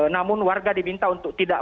namun warga diminta untuk tidak